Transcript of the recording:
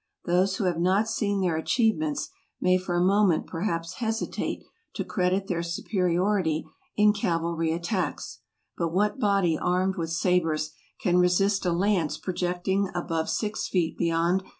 Those who have not seen their achievements, may for a moment perhaps hesitate to credit their superiority in ca¬ valry attacks; but what body armed with sabres can resist a lance projecting above six feet be¬ yond.